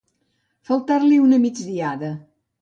Faltar-li una migdiada.